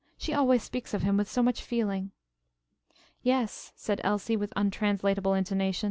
She always speaks of him with so much feeling." "Yes," said Elsie with untranslatable intonation.